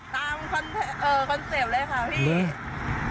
คอนเซ็ปต์เลยค่ะพี่